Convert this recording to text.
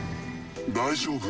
大丈夫？